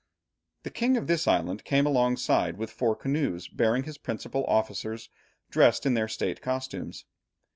The king of this island came alongside, with four canoes bearing his principal officers dressed in their state costumes.